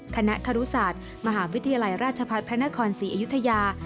คณะครุศาสตร์มหาวิทยาลัยราชพัฒนพระนครศรีอยุธยา